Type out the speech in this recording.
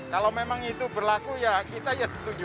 kalau memang itu berlaku ya kita ya setuju